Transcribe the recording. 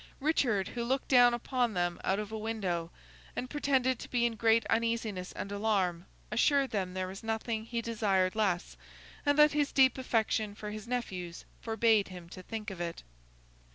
Richard, who looked down upon them out of a window and pretended to be in great uneasiness and alarm, assured them there was nothing he desired less, and that his deep affection for his nephews forbade him to think of it.